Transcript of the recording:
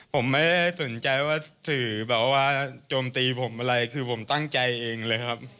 ผมไม่ได้สนใจว่าสื่อแบบว่าโจมตีผมอะไรคือผมตั้งใจเองเลยครับ